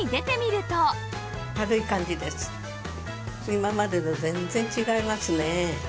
今までと全然違いますね。